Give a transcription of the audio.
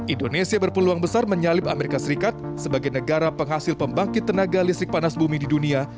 indonesia berpeluang besar menyalip amerika serikat sebagai negara penghasil pembangkit tenaga listrik panas bumi di dunia